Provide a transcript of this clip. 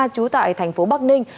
trú tại thành phố bắc ninh